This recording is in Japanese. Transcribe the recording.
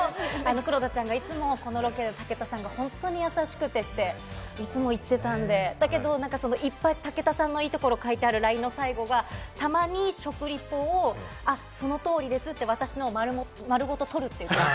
黒田ちゃんがいつもこのロケを、武田さんが本当に優しくてって、いつも言ってたんで、だけど、いっぱい武田さんのいいところを書いてあるＬＩＮＥの最後が、たまに食リポをその通りですって、私のを丸ごと取るって。